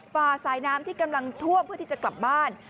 ฝ่าสายน้ำที่กำลังท่วมเพื่อที่จะกลับบ้าน